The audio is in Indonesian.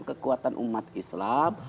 kekuatan umat islam